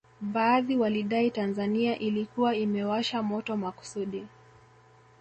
Baadhi walidai Tanzania ilikuwa imewasha moto makusudi